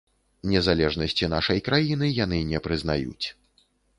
Незалежнасці нашай краіны яны не прызнаюць.